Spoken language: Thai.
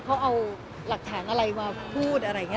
เขาเอาหลักฐานอะไรมาพูดอะไรอย่างนี้